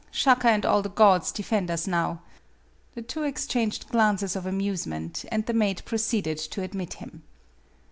Shaka and all the gods defend us now!" The two exchanged glances of amuse ment, and the maid proceeded to admit him.